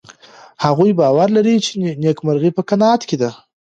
هغوی باور لري چې نېکمرغي په قناعت کې ده.